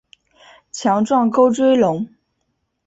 强壮沟椎龙。